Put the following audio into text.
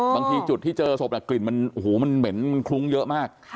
บางทีจุดที่เจอสอบกลิ่นมันเหม็นคลุ้งเยอะมาก